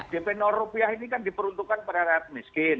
dp nor rupiah ini kan diperuntukkan kepada rakyat miskin